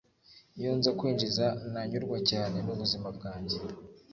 Iyo nza kwinjiza nanyurwa cyane nubuzima bwanjye